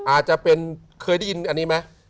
อาจจะเป็นเคยได้ยินอันนี้ไหม